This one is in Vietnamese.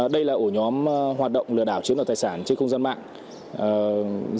đây là ổ nhóm hoạt động lừa đảo chiếm đoạt tài sản trên không gian mạng